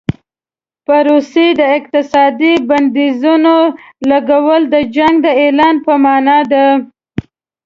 په روسیې د اقتصادي بندیزونو لګول د جنګ د اعلان په معنا دي.